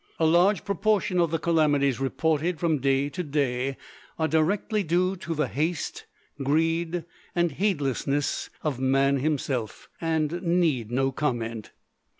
A large proportion of the calamities reported from day to day are directly due to the haste, greed, and heedlessness of man himself, and need no comment.